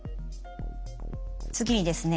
次にですね